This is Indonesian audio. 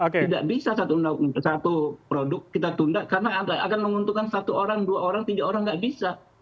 tidak bisa satu produk kita tunda karena akan menguntungkan satu orang dua orang tiga orang tidak bisa